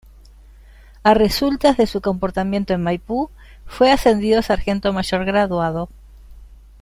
A resultas de su comportamiento en Maipú fue ascendido a sargento mayor graduado.